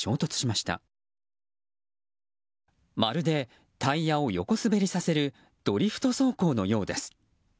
まるでタイヤを横滑りさせるドリフト走行のようです。